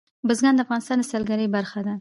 بزګان د افغانستان د سیلګرۍ برخه ده.